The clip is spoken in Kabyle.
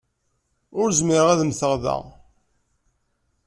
Ur zmireɣ ad mmteɣ da.